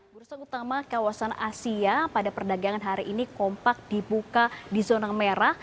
bursa utama kawasan asia pada perdagangan hari ini kompak dibuka di zona merah